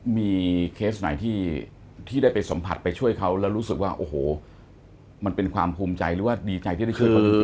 มีเคสไหนที่ได้ไปสัมผัสไปช่วยเขาแล้วรู้สึกว่าโอ้โหมันเป็นความภูมิใจหรือว่าดีใจที่ได้ช่วยคนอื่น